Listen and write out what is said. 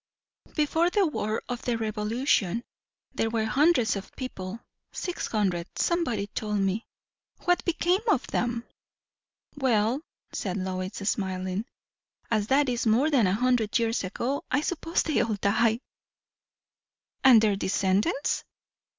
"Before the war of the revolution. There were hundreds of people; six hundred, somebody told me." "What became of them?" "Well," said Lois, smiling, "as that is more than a hundred years ago, I suppose they all died." "And their descendants?